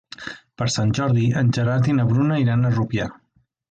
Per Sant Jordi en Gerard i na Bruna iran a Rupià.